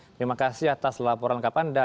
terima kasih atas laporan lengkap anda